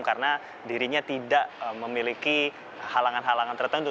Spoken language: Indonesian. karena dirinya tidak memiliki halangan halangan tertentu